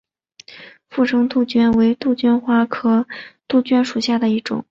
附生杜鹃为杜鹃花科杜鹃属下的一个种。